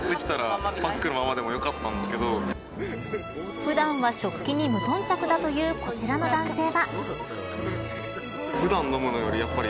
普段は食器に無頓着だというこちらの男性は。